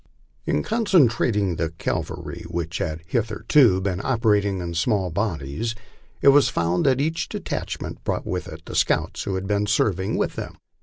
In concentrat ing the cavalry which had hitherto been operating in small bodies, it was found that each detachment brought with it the scouts who had been serving with ttiem.